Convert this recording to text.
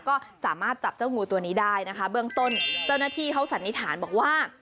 ก็สามารถจับเจ้างูตัวนี้ได้นะคะเบื้องต้นเจ้าหน้าที่เขาสันนิษฐานบอกว่า